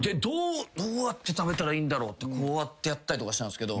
どうやって食べたらいいんだろうってこうやってやったりとかしたんですけど。